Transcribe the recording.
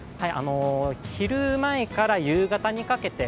昼前から夕方にかけて○。